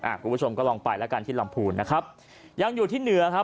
คุณผู้ชมก็ลองไปแล้วกันที่ลำพูนนะครับยังอยู่ที่เหนือครับ